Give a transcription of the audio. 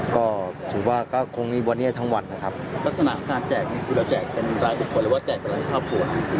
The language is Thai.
ก็ถือว่าก็คงมีวันนี้ทั้งวันนะครับลักษณะของการแจกนี่คือเราแจกเป็นรายบุคคลหรือว่าแจกไปหลายครอบครัว